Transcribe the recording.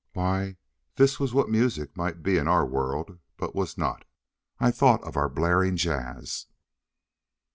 Why, this was what music might be in our world but was not. I thought of our blaring jazz.